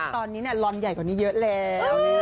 ตอนนี้ลอนใหญ่กว่านี้เยอะแล้ว